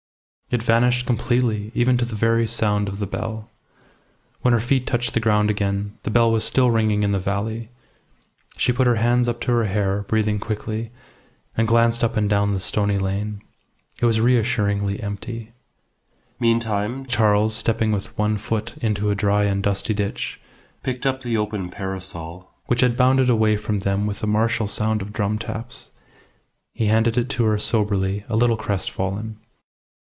It vanished completely, even to the very sound of the bell. When her feet touched the ground again, the bell was still ringing in the valley; she put her hands up to her hair, breathing quickly, and glanced up and down the stony lane. It was reassuringly empty. Meantime, Charles, stepping with one foot into a dry and dusty ditch, picked up the open parasol, which had bounded away from them with a martial sound of drum taps. He handed it to her soberly, a little crestfallen.